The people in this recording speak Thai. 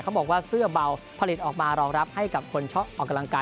บอกว่าเสื้อเบาผลิตออกมารองรับให้กับคนชอบออกกำลังกาย